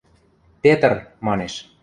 – Петр, – манеш.